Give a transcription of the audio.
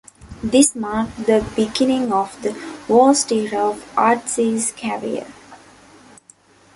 This marked the beginning of the worst era of Artzi's career.